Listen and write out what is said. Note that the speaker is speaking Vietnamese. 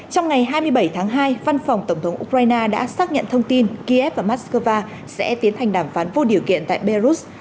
trong ngày hai mươi bảy tháng hai văn phòng tổng thống ukraine đã xác nhận thông tin kiev và moscow sẽ tiến hành đàm phán vô điều kiện tại belarus